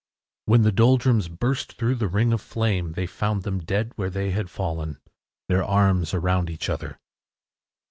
” When the Doldrums burst through the ring of flame, they found them dead where they had fallen, their arms about each other.